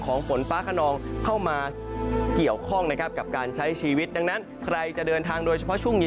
ฝนฟ้าขนองเข้ามาเกี่ยวข้องนะครับกับการใช้ชีวิตดังนั้นใครจะเดินทางโดยเฉพาะช่วงนี้